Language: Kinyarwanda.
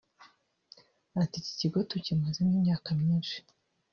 Ati “Iki kigo tukimazemo imyaka myinshi